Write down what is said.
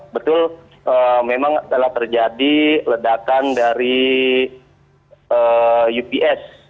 betul memang telah terjadi ledakan dari ups